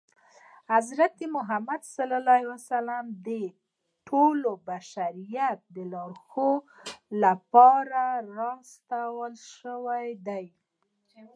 حضرت محمد ص د ټول بشریت د لارښودنې لپاره را استول شوی دی.